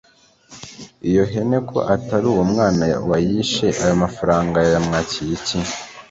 Iyo hene ko atari uwo mwana wayishe ayo mafaranga yayamwakiye iki